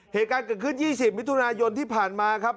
เหตุการณ์เกิดขึ้น๒๐มิถุนายนที่ผ่านมาครับ